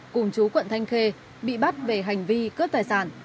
cùng chú quận thanh khê bị bắt về hành vi cướp tài sản